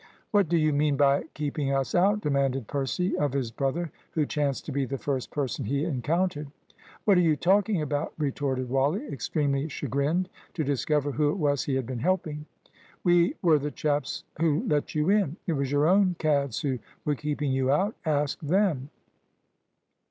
"What do you mean by keeping us out!" demanded Percy of his brother, who chanced to be the first person he encountered. "What are you talking about?" retorted Wally, extremely chagrined to discover who it was he had been helping. "We were the chaps who let you in! It was your own cads who were keeping you out. Ask them."